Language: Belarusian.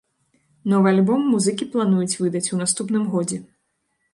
Новы альбом музыкі плануюць выдаць у наступным годзе.